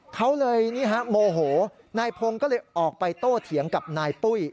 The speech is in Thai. เขาเลยนี่ฮะโมโหนายพงศ์ก็เลยออกไปโต้เถียงกับนายปุ้ย